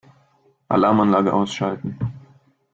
Alarmanlage ausschalten.